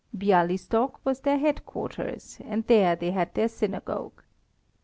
Bialystok was their head quarters, and there they had their synagogue.